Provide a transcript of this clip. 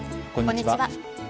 こんにちは。